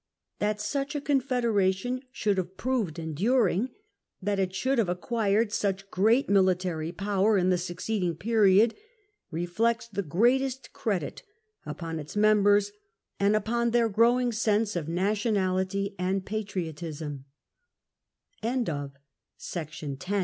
That such a Confederation should have proved enduring, that it should have acquired such great military power in the succeeding period, reflects the greatest credit upon its members and upon their growing sense of nation